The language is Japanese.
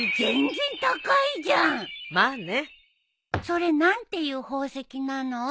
それ何ていう宝石なの？